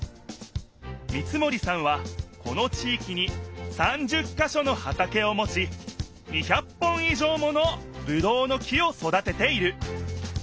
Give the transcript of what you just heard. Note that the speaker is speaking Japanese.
三森さんはこの地いきに３０かしょの畑をもち２００本い上ものぶどうの木を育てている。